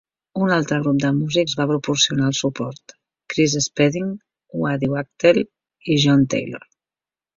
Un altre grup de músics va proporcionar el suport: Chris Spedding, Waddy Wachtel i John Taylor.